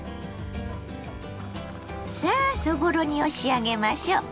さあそぼろ煮を仕上げましょう。